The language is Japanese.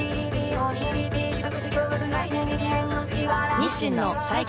日清の最強